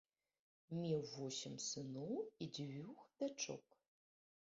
Меў восем сыноў і дзвюх дачок.